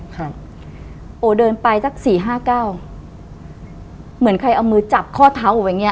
ครับโอ้เดินไปสักสี่ห้าเก้าเหมือนใครเอามือจับข้อเท้าแบบเง